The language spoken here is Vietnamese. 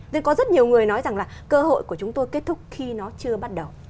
nên có rất nhiều người nói rằng là cơ hội của chúng tôi kết thúc khi nó chưa bắt đầu